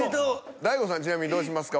大悟さんちなみにどうしますか？